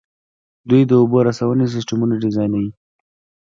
دوی د اوبو رسونې سیسټمونه ډیزاین کوي.